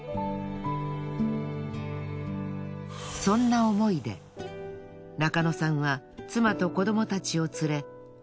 そんな思いで中野さんは妻と子どもたちを連れ故郷種子島へ戻り